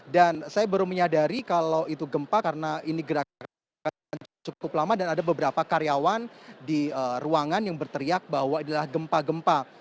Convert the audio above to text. dan saya baru menyadari kalau itu gempa karena ini gerakan sholat ruku cukup lama dan ada beberapa karyawan di ruangan yang berteriak bahwa ini adalah gempa gempa